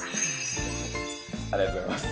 ありがとうございます。